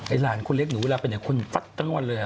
ไอ๋หลานคุณเล็กหนูเวลาเป็นอย่างคุณศักดาช์ตั้งว่าเลยอ่ะ